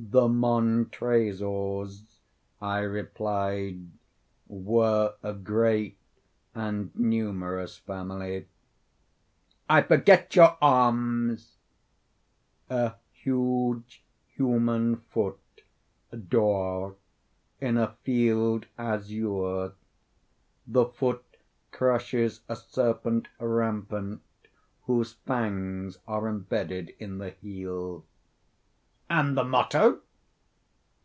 "The Montresors," I replied, "were a great and numerous family." "I forget your arms." "A huge human foot d'or, in a field azure; the foot crushes a serpent rampant whose fangs are imbedded in the heel." "And the motto?"